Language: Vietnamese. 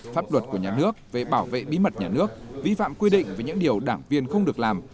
pháp luật của nhà nước về bảo vệ bí mật nhà nước vi phạm quy định về những điều đảng viên không được làm